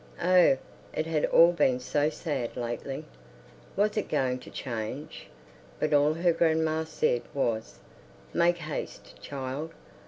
Oh, it had all been so sad lately. Was it going to change? But all her grandma said was, "Make haste, child.